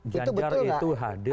janjar itu hadir